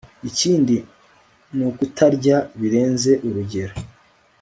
ikindi nukutarya birenze urugero